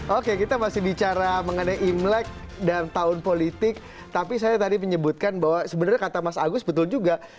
oke kita masih bicara mengenai imlek dan tahun politik tapi saya tadi menyebutkan bahwa sebenarnya kata mas agus betul juga